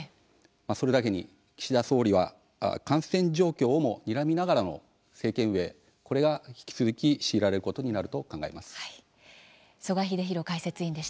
それだけに岸田総理は感染状況をもにらみながらの政権運営でこれが引き続き強いられることになると考えます。